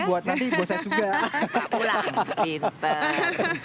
buat pulang pinter